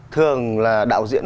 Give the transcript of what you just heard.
thường là đạo diễn